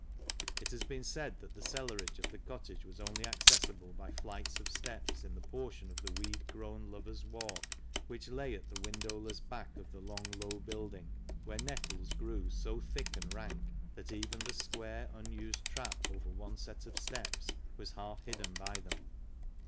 It has been said that the cellarage of the cottage was only accessible by flights of steps in the portion of the weed grown " Lovers' Walk " which lay at the windowless back of the long low building, where nettles grew so thick and rank that even the square unused trap over one set of steps was half hidden by them.